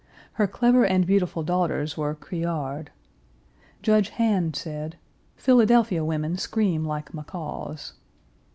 Her clever and beautiful daughters were criard. Judge Han said: "Philadelphia women scream like macaws."